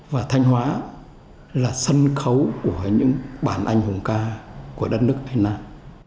và thanh hóa là sân khấu của những bản anh hùng ca của đất nước thanh nam